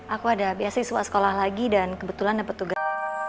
aku ada biasiswa sekolah lagi dan kebetulan dapet tugas